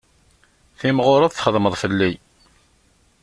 Timɣureḍ txedmeḍ fell-i.